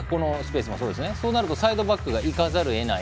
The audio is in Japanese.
そうするとサイドバックがいかざるをえない。